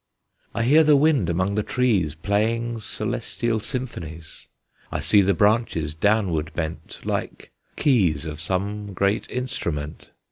I hear the wind among the trees Playing celestial symphonies; I see the branches downward bent, Like keys of some great instrument.